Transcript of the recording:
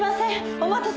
お待たせ。